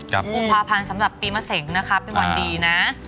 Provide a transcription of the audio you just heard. ๑๗๒๐๒๑กุมภาพันธ์สำหรับปีเมื่อเสร็งนะครับเป็นวันดีนะ